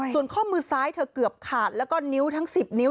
ส่วนข้อมือซ้ายเธอเกือบขาดแล้วก็นิ้วทั้ง๑๐นิ้ว